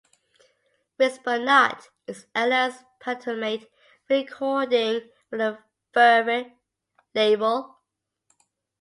"Whisper Not" is Ella's penultimate recording for the Verve label.